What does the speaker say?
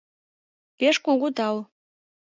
— Пеш кугу тау!